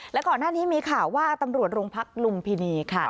และก่อนหน้านี้มีข่าวว่าตำรวจโรงพักลุมพินีค่ะ